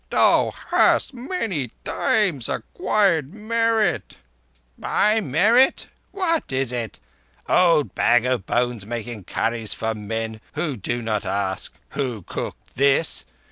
"Thou hast many times acquired merit—" "My merit. What is it? Old bag of bones making curries for men who do not ask 'Who cooked this?